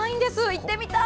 行ってみたい！